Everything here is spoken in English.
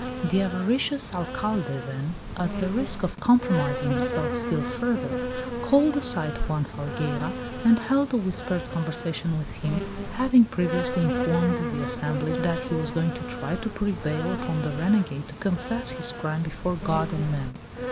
The avaricious Alcalde, then, at the risk of compromising himself still further, called aside Juan Falgueira and held a whispered conversation with him, having previously informed the assemblage that he was going to try to prevail upon the renegade to confess his crime before God and men.